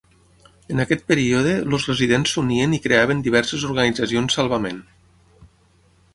En aquest període els residents s'unien i creaven diverses organitzacions salvament.